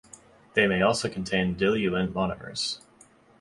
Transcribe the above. They may also contain diluent monomers.